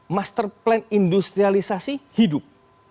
master plan industrialisasi hidup